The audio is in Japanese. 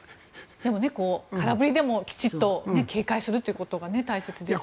でも、空振りでもきちんと警戒することが大切ですし。